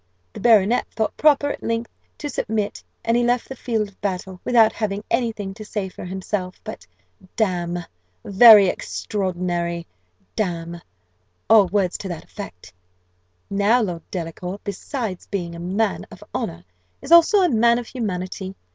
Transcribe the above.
The baronet thought proper at length to submit; and he left the field of battle, without having any thing to say for himself but 'Damme! very extraordinary, damme!' or words to that effect. "Now, Lord Delacour, besides being a man of honour, is also a man of humanity.